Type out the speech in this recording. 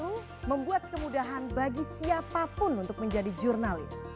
era media baru membuat kemudahan bagi siapapun untuk menjadi jurnalis